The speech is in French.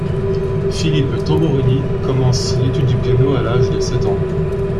Philippe Tamborini commence l'étude du piano à l'âge de sept ans.